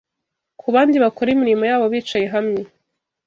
ku bandi bakora imirimo yabo bicaye hamwe